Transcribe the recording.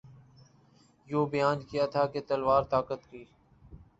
یوں بیان کیا تھا کہ تلوار طاقت کی